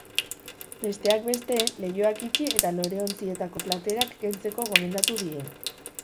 Besteak beste, leihoak itxi eta loreontzietako platerak kentzeko gomendatu die.